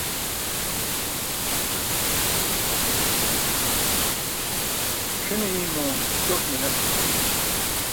c̣ʰine imo ṭok minas moor etimi